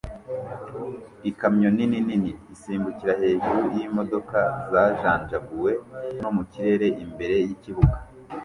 Ikamyo nini nini isimbukira hejuru yimodoka zajanjaguwe no mu kirere imbere yikibuga